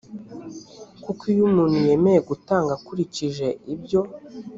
kuko iyo umuntu yemeye gutanga akurikije ibyo